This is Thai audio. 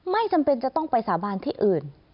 ไม่จำเป็นจะต้องไปสาบานที่อื่น